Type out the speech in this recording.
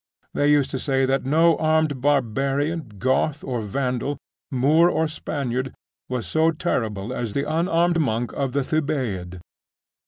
They used to say that no armed barbarian, Goth or Vandal, Moor or Spaniard, was so terrible as the unarmed monk of the Thebaid.